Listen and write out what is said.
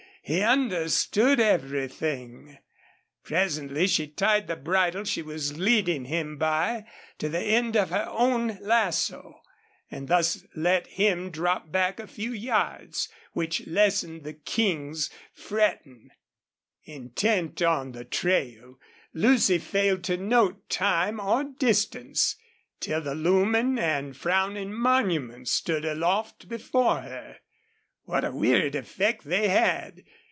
He understood everything. Presently she tied the bridle she was leading him by to the end of her own lasso, and thus let him drop back a few yards, which lessened the King's fretting. Intent on the trail, Lucy failed to note time or distance till the looming and frowning monuments stood aloft before her. What weird effect they had!